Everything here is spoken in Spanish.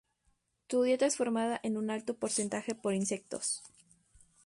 Su dieta es formada en un alto porcentaje por insectos.